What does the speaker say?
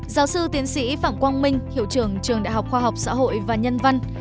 giáo sư tiến sĩ phạm quang minh hiệu trưởng trường đại học khoa học xã hội và nhân văn